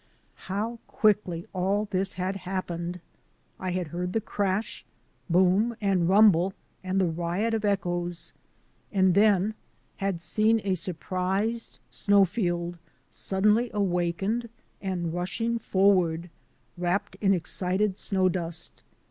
How quickly all this had happened! I had heard the crash, boom, and rumble and the riot of echoes, and then had seen a surprised snowfield suddenly awakened and rushing forward, wrapped in excited snow dust.